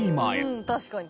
うん確かに。